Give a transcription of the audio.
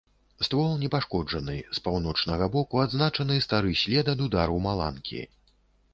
Ствол не пашкоджаны, з паўночнага боку адзначаны стары след ад удару маланкі.